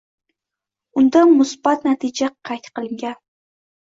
Unda musbat natija qayd qilingan.